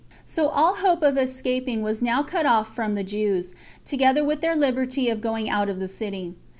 So all hope of escaping was now cut off from the Jews, together with their liberty of going out of the city.